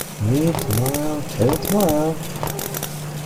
Leave tomorrow till tomorrow.